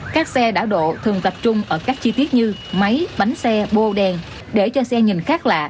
các xe đảo độ thường tập trung ở các chi tiết như máy bánh xe bô đèn để cho xe nhìn khác lạ